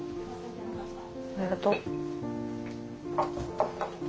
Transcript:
ありがとう。